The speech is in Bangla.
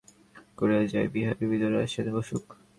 আমি একটা আলাদা গাড়ি ভাড়া করিয়া যাই, বিহারী ভিতরে আসিয়া বসুক।